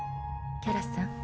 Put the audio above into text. キャラさん。